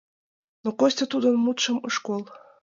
Но Костя тудын мутшым ыш кол.